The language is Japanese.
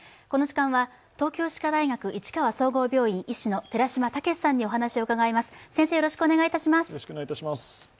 この時間は東京歯科大学市川総合病院医師の寺嶋毅さんにお話を伺います。